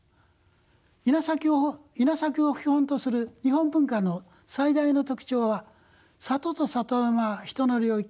稲作を基本とする日本文化の最大の特徴は里と里山は人の領域